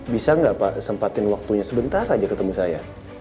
bisa nggak pak sempatin waktunya sebentar aja ketemu saya